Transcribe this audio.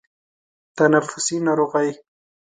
تنفسي ناروغۍ